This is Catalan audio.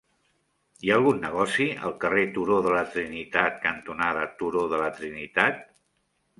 Hi ha algun negoci al carrer Turó de la Trinitat cantonada Turó de la Trinitat?